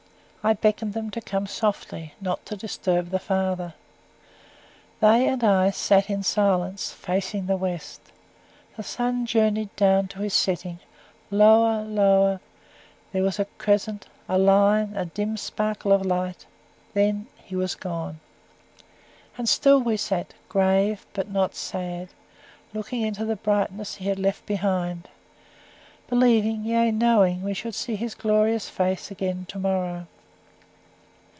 I beckoned them to come softly, not to disturb the father. They and I sat in silence, facing the west. The sun journeyed down to his setting lower lower; there was a crescent, a line, a dim sparkle of light; then he was gone. And still we sat grave, but not sad looking into the brightness he had left behind; believing, yea, knowing, we should see his glorious face again to morrow.